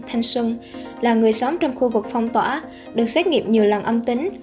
thanh xuân là người sống trong khu vực phong tỏa được xét nghiệm nhiều lần âm tính